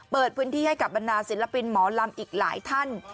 เปิดพื้นที่ให้กับบรรดาศิลปินหมอลำอีกหลายท่าน